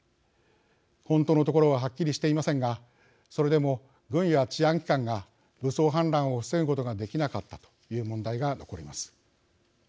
本当のところははっきりしていませんがそれでも軍や治安機関が武装反乱を防ぐことができなかったという問題が残ります。